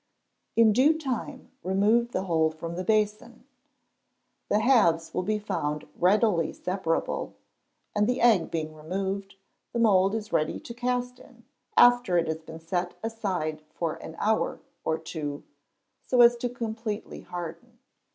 In due time remove the whole from the basin; the halves will be found readily separable, and the egg being removed, the mould is ready to cast in, after it has been set aside for an hour or two, so as to completely harden.